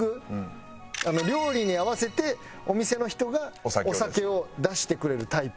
料理に合わせてお店の人がお酒を出してくれるタイプ。